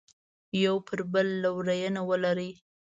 یو پر بل لورینه ولري.